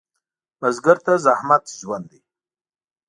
بزګر ته زحمت ژوند دی